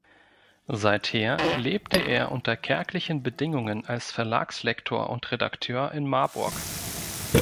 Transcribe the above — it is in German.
Seither lebte er unter kärglichen Bedingungen als Verlagslektor und Redakteur in Marburg.